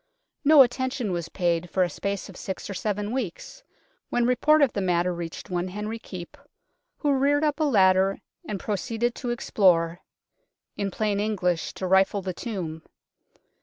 No attention was paid for a space of six or seven weeks, when report of the matter reached one Henry Keepe, who reared up a ladder and proceeded to explore in plain English, to rifle the tomb.